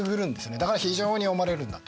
だから非常に読まれるんだと。